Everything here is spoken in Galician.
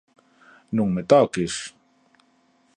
Non me toques!